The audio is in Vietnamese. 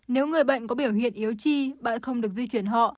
nếu người bệnh có biểu hiện yếu chi bạn không được di chuyển họ